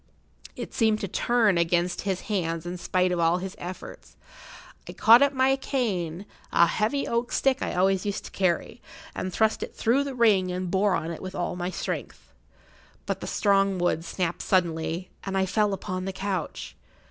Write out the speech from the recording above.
It seemed to turn against his hands in spite of all his efforts. I caught up my cane, a heavy oak stick I always used to carry, and thrust it through[Pg 66] the ring and bore on it with all my strength. But the strong wood snapped suddenly, and I fell upon the couch.